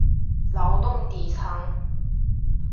劳动底层